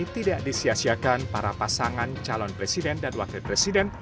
tidak disiasiakan para pasangan calon presiden dan wakil presiden